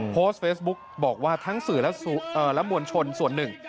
โพสต์เฟซบุ๊กบอกว่าทั้งสื่อและมวลชนส่วนหนึ่ง